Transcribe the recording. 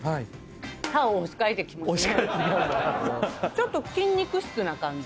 ちょっと筋肉質な感じ